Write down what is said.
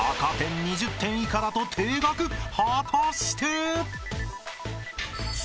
［果たして？］